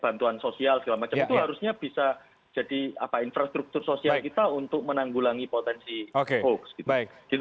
itu harusnya bisa jadi infrastruktur sosial kita untuk menanggulangi potensi huk